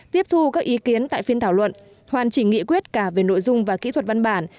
tiếp thu các ý kiến tại phiên thảo luận hoàn chỉnh nghị quyết cả về nội dung và kỹ thuật văn bản